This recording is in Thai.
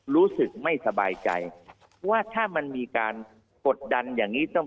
รู้สึกไม่สบายใจว่าถ้ามันมีการกดดันอย่างนี้ต้อง